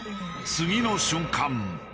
次の瞬間。